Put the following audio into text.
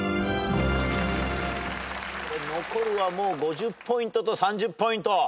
残るはもう５０ポイントと３０ポイント。